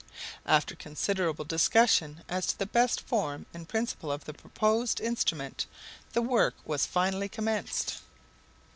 After considerable discussion as to the best form and principle of the proposed instrument the work was finally commenced.